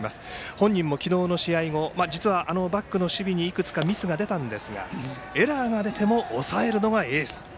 本人も昨日の試合後実はあのバックの守備にいくつかミスが出たんですがエラーが出ても抑えるのがエース。